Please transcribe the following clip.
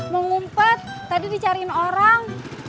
mau ngumpet tadi dicariin orang